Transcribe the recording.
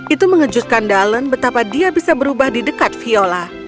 itu mengejutkan dallon betapa dia bisa berubah di dekat viola